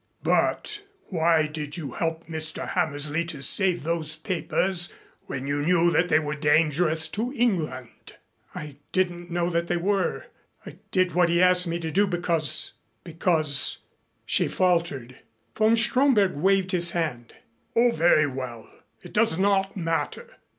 But why did you help Mr. Hammersley to save those papers when you knew that they were dangerous to England?" "I didn't know what they were. I did what he asked me to do because because " She faltered. Von Stromberg waved his hand. "Oh, very well. It does not matter.